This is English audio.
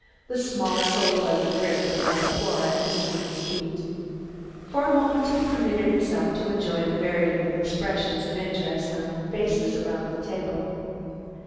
The small sole leather grip was on the floor at Mr. Wynne's feet. For a moment he permitted himself to enjoy the varying expressions of interest on the faces around the table.